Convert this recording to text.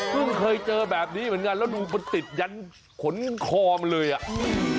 เคยเจอแบบนี้เหมือนกันแล้วดูมันติดยันขนคอมันเลยอ่ะ